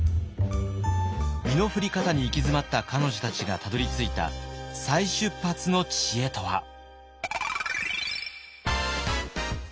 身の振り方に行き詰まった彼女たちがたどりついた再出発の知恵とは。